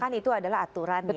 karena kan itu adalah aturan ya